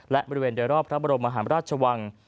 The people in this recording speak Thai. และบริเวณโดยรอบพระบรมมหาราชวัง